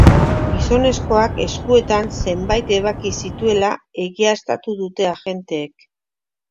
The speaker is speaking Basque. Gizonezkoak eskuetan zenbait ebaki zituela egiaztatu dute agenteek.